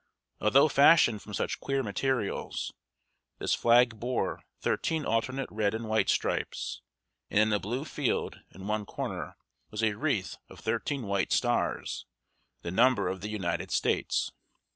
Although fashioned from such queer materials, this flag bore thirteen alternate red and white stripes, and in a blue field in one corner was a wreath of thirteen white stars, the number of the United States.